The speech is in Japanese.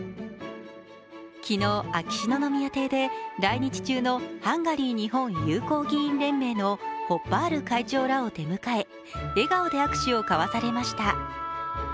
昨日、秋篠宮邸で、来日中のハンガリー日本友好議員連盟のホッパール会長らを出迎え笑顔で握手を交わされました。